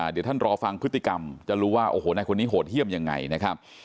เดี๋ยวท่านรอฟังพฤติกรรมจะรู้ว่าโอ้โหนายคนนี้โหดเยี่ยมยังไงนะครับ